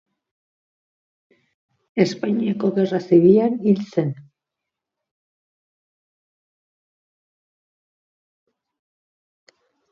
Espainiako Gerra Zibilean hil zen.